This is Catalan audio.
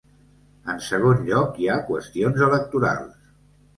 En segon lloc, hi ha qüestions electorals.